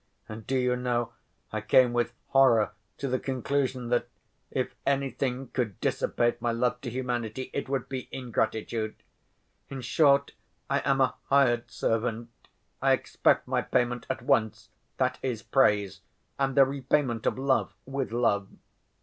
And do you know, I came with horror to the conclusion that, if anything could dissipate my love to humanity, it would be ingratitude. In short, I am a hired servant, I expect my payment at once—that is, praise, and the repayment of love with love.